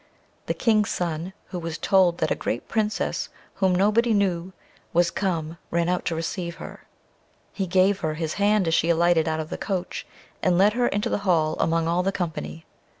The King's son, who was told that a great Princess, whom nobody knew, was come, ran out to receive her; he gave her his hand as she alighted out of the coach, and led her into the hall, among all the company.